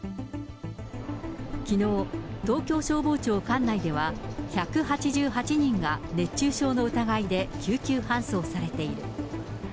きのう、東京消防庁管内では、１８８人が熱中症の疑いで救急搬送されている。